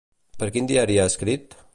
Per quin diari ha escrit?